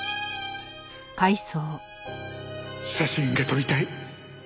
写真が撮りたい。